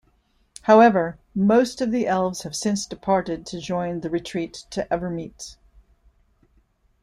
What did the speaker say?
However, most of the elves have since departed to join the retreat to Evermeet.